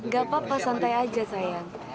gak apa apa santai aja sayang